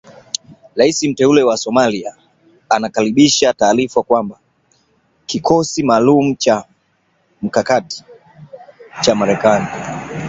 Rais mteule wa Somalia anakaribisha taarifa kwamba kikosi maalum cha mkakati cha Marekani